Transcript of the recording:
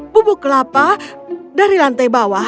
bubuk kelapa dari lantai bawah